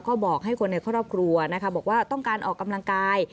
ก็บอกให้คนในครอบครัวนะคะบอกว่าต้องการออกกำลังกาย